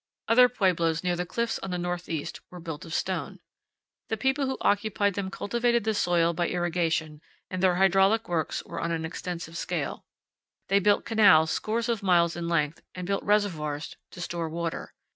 Other pueblos near the cliffs on the northeast were built of stone. The people who occupied them cultivated the soil by irrigation, and their hydraulic works were on an extensive scale. They built canals scores of miles in length and built reservoirs to store water.